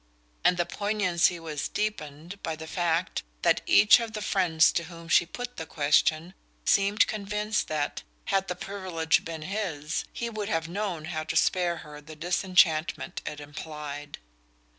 And the poignancy was deepened by the fact that each of the friends to whom she put the question seemed convinced that had the privilege been his he would have known how to spare her the disenchantment it implied.